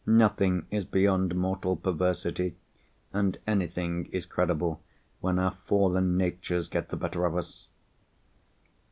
nothing is beyond mortal perversity; and anything is credible when our fallen natures get the better of us!